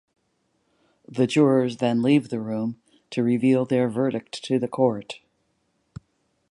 The jurors then leave the room to reveal their verdict to the court.